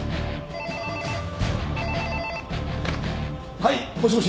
☎はいもしもし。